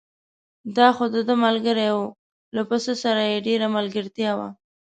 دا خو دده ملګری و، له پسه سره یې ډېره ملګرتیا وه.